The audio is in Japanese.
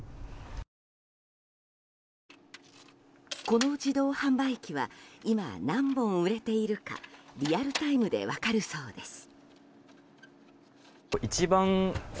この自動販売機は今、何本売れているかリアルタイムで分かるそうです。